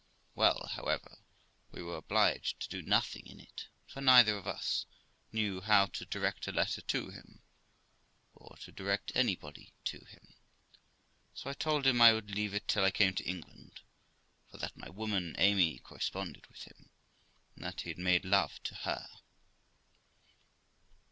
Well, however, we were obliged to do nothing in it, for neither of us knew how to direct a letter to him, or to direct anybody to him ; so I told him I would leave it till I came to England, for that my woman, Amy, corre sponded with him, and that he had made love to her.